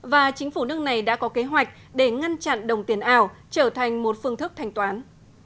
và chính phủ nước này đã có kế hoạch để ngăn chặn đồng tiền ảo trở thành một phương thức thanh toán